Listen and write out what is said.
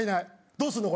どうすんの？